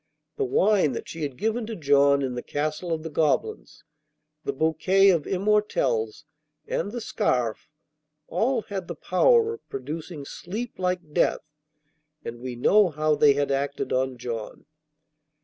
The wine that she had given to John in the castle of the goblins, the bouquet of immortelles, and the scarf, all had the power of producing sleep like death. And we know how they had acted on John.